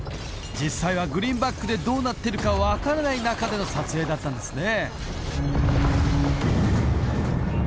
実際はグリーンバックでどうなってるか分からない中での撮影だったんですね